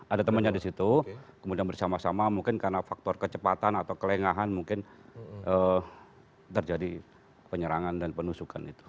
ada temannya di situ kemudian bersama sama mungkin karena faktor kecepatan atau kelengahan mungkin terjadi penyerangan dan penusukan itu